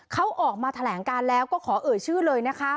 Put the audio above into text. เขาออกมาแถลงการแล้วก็ขอเอ่ยชื่อเลยนะคะ